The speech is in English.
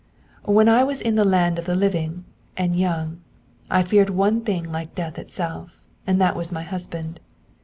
'When I was in the land of the living, and young, I feared one thing like death itself, and that was my husband.